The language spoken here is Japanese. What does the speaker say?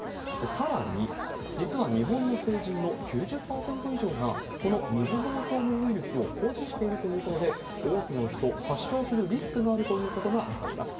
さらに、実は日本の成人の９０％以上がこの水ぼうそうのウイルスを保持しているということで、多くの人、発症するリスクがあるということが分かります。